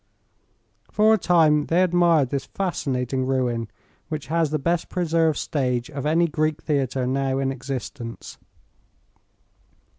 For a time they admired this fascinating ruin, which has the best preserved stage of any Greek theatre now in existence.